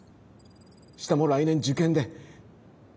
下も来年受験で。